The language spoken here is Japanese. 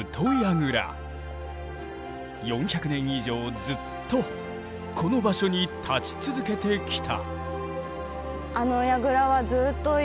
４００年以上ずっとこの場所に立ち続けてきた。